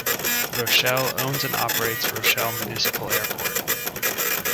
Rochelle owns and operates Rochelle Municipal Airport.